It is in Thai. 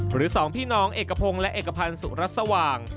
หรือ๒พี่น้องเอกพงศ์และเอกพันธ์สุรัสสว่าง